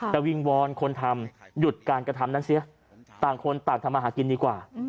แต่วิงวอนคนทำหยุดการกระทำนั้นเสียต่างคนต่างทำอาหารกินดีกว่า